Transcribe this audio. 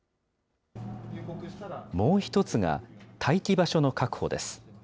もう１つが、待機場所の確保です。